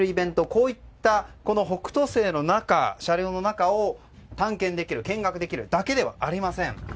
こういった「北斗星」の車両の中を見学できるだけではありません。